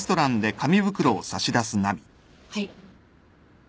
はい